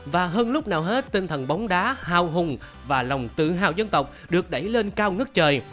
và hơn lúc nào hết tinh thần bóng đá hào hùng và lòng tự hào dân tộc được đẩy lên cao ngức trời